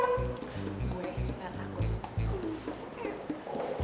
gue gak takut